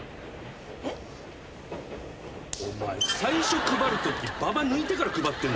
えっ？お前最初配るときばば抜いてから配ってんだろ。